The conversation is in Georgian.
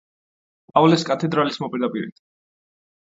პავლეს კათედრალის მოპირდაპირედ.